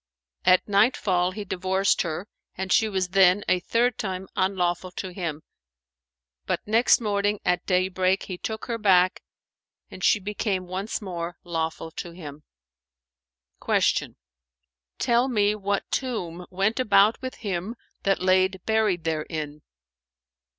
At nightfall he divorced her and she was then a third time unlawful to him; but, next morning at daybreak, he took her back, and she became once more lawful to him." Q "Tell me what tomb went about with him that lay buried therein?"